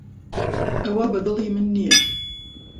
ئەوە بەدڵی من نییە.